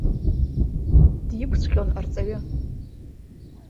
Диқәцәҟьон арҵаҩы.